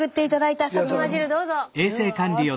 どうぞ。